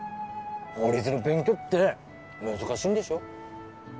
法律の勉強って難しいんでしょう？